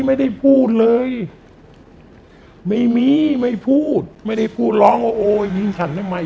ไม่ได้พูดเลยไม่มีไม่พูดไม่ได้พูดร้องว่าโอ้ยยิงฉันทำไม